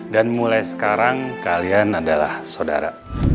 dan mulai sekarang kalian adalah saudara